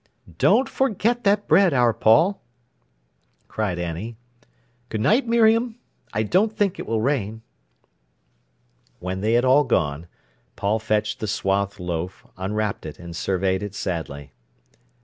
"Don't forget that bread, our Paul," cried Annie. "Good night, Miriam. I don't think it will rain." When they had all gone, Paul fetched the swathed loaf, unwrapped it, and surveyed it sadly.